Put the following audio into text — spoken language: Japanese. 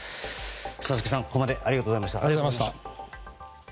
佐々木さん、ここまでありがとうございました。